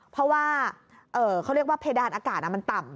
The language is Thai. เพราะว่าเขาเรียกว่าเพดานอากาศมันต่ำ